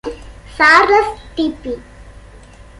Charles D. B.